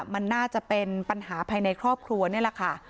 มันน่าจะเป็นปัญหาภายในครอบครัวนี่แหละค่ะ